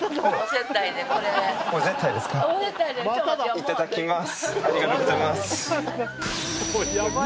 いただきます。